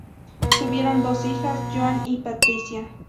Tuvieron dos hijas, Joan y Patricia.